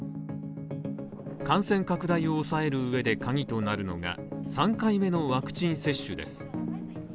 感染拡大を抑えるうえでカギとなるのが、３回目のワクチン接種です。